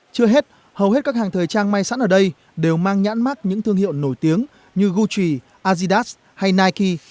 chưa hết hầu hết các hàng thời trang may sẵn ở đây đều mang nhãn mắt những thương hiệu nổi tiếng như gucci adidas hay nike